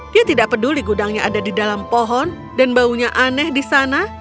dia tidak peduli gudangnya ada di dalam pohon dan baunya aneh di sana